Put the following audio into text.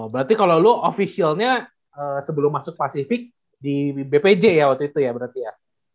berarti kalau lo ofisialnya sebelum masuk pasifik di bpj ya waktu itu ya berarti ya